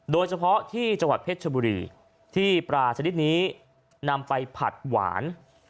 โดยเฉพาะที่จังหวัดเพชรชบุรีที่ปลาชนิดนี้นำไปผัดหวาน